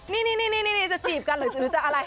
นี่จะจีบกันหรือจะอะไร